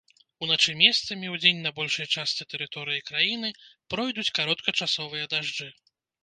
Уначы месцамі, удзень на большай частцы тэрыторыі краіны пройдуць кароткачасовыя дажджы.